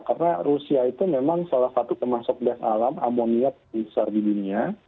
karena rusia itu memang salah satu kemasok gas alam amoniak besar di dunia